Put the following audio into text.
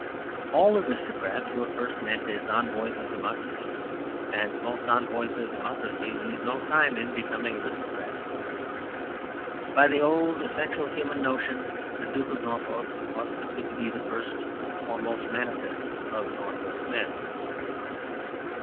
All aristocrats were first meant as envoys of democracy; and most envoys of democracy lose no time in becoming aristocrats. By the old essential human notion, the Duke of Norfolk ought simply to be the first or most manifest of Norfolk men.